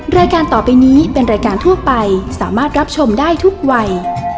รายการต่อไปนี้เป็นรายการทั่วไปสามารถรับชมได้ทุกวัย